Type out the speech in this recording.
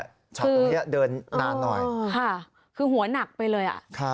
ฉากตรงนี้เดินนานหน่อยค่ะคือหัวหนักไปเลย